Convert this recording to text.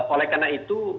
oleh karena itu